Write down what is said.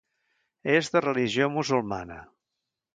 És de religió musulmana.